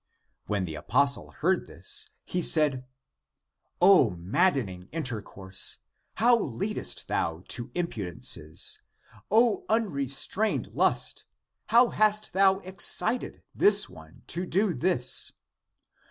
When the apostle heard this, he said, " O maddening" intercourse, how leadest thou to impu dences! O unrestrained lust, how hast thou ex cited this one to do this